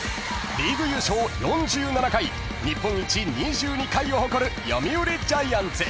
［リーグ優勝４７回日本一２２回を誇る読売ジャイアンツ］